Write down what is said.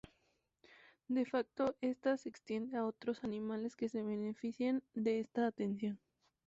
De facto, esta, se extiende a otros animales que se benefician de esta atención.